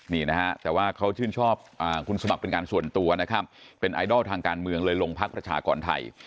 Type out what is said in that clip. นี่นะฮะแต่ว่าเขาชื่นชอบคุณสมัครเป็นการส่วนตัวนะครับเป็นไอดอลทางการเมืองเลยลงพักประชากรไทย